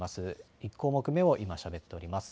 １項目めを今しゃべっております。